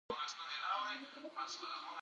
کورنۍ باید خپل مالي لګښتونه وڅاري.